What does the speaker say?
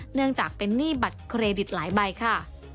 เนื่องจากเป็นหนี้บัตรเครดิตหลายใบค่ะ